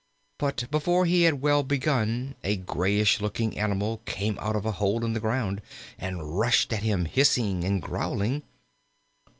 But before he had well begun, a grayish looking animal came out of a hole in the ground and rushed at him, hissing and growling.